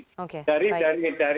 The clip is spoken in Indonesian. oke baik banget